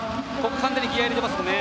完全にギヤを入れていますね。